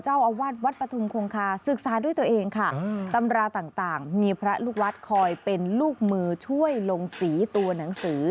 เจ้าอาวาสวัดปฐุมคงคาศึกษาด้วยตัวเองค่ะตำราต่างมีพระลูกวัดคอยเป็นลูกมือช่วยลงสีตัวหนังสือ